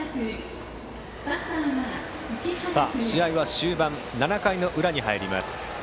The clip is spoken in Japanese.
試合は終盤７回の裏に入ります。